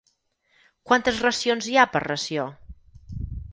Quantes racions hi ha per ració?